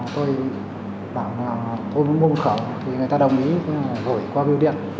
tôi bảo là tôi muốn mua một khẩu thì người ta đồng ý